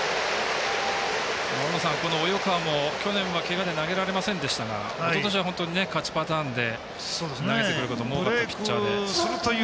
大野さん、この及川も去年はけがで投げられませんでしたが今年は勝ちパターンで投げてくるピッチャーで。